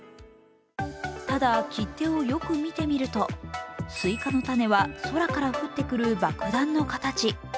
ただ、切手をよく見てみると、すいかの種は、空から降ってくる爆弾の形。